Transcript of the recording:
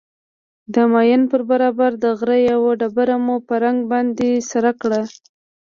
د ماين پر برابر د غره يوه ډبره مو په رنگ باندې سره کړه.